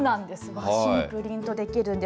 和紙にプリントできるんです。